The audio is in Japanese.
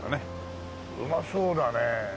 うまそうだねえ。